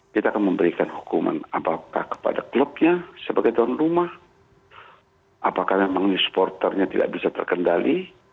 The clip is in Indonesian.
kita akan memberikan hukuman apakah kepada klubnya sebagai tuan rumah apakah memang ini supporternya tidak bisa terkendali